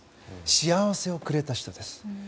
幸せをくれた人です。